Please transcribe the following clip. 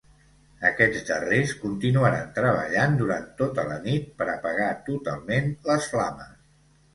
Aquests darrers continuaran treballant durant tota la nit per apagar totalment les flames.